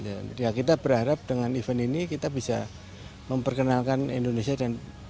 ya kita berharap dengan event ini kita bisa memperkenalkan indonesia dan